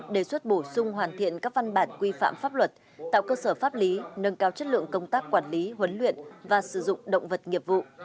đề xuất bổ sung hoàn thiện các văn bản quy phạm pháp luật tạo cơ sở pháp lý nâng cao chất lượng công tác quản lý huấn luyện và sử dụng động vật nghiệp vụ